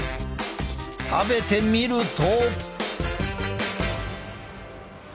食べてみると。